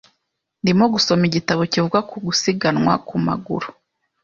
Ndimo gusoma igitabo kivuga ku gusiganwa ku maguru .